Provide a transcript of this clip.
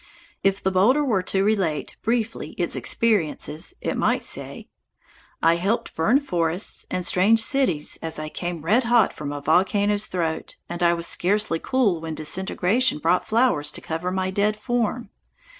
If the boulder were to relate, briefly, its experiences, it might say: "I helped burn forests and strange cities as I came red hot from a volcano's throat, and I was scarcely cool when disintegration brought flowers to cover my dead form.